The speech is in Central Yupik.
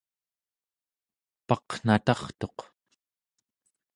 paqnatartuq